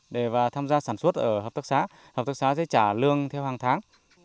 để tham gia sản xuất ở hợp tác xá hợp tác xá sẽ trả lương theo hàng tháng